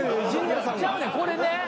ちゃうねんこれね。